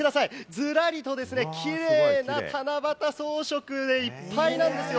ズラリとキレイな七夕装飾でいっぱいなんですよ。